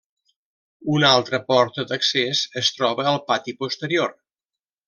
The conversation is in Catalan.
Una altra porta d'accés es troba al pati posterior.